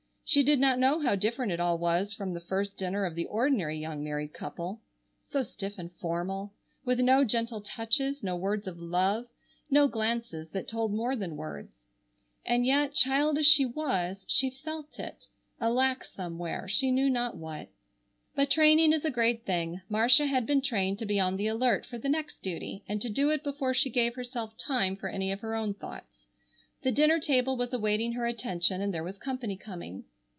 She did not know how different it all was from the first dinner of the ordinary young married couple; so stiff and formal, with no gentle touches, no words of love, no glances that told more than words. And yet, child as she was, she felt it, a lack somewhere, she knew not what. But training is a great thing. Marcia had been trained to be on the alert for the next duty and to do it before she gave herself time for any of her own thoughts. The dinner table was awaiting her attention, and there was company coming.